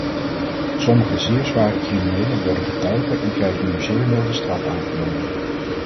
Sommige zeer zware criminelen worden getuigen en krijgen nu zeer milde straffen aangeboden.